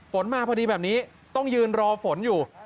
ฝนมาพอดีแบบนี้ต้องยืนรอฝนอยู่